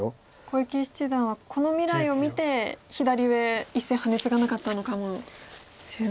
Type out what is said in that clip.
小池七段はこの未来を見て左上１線ハネツガなかったのかもしれないですね。